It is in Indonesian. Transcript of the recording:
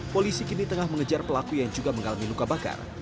polisi kini tengah mengejar pelaku yang juga mengalami luka bakar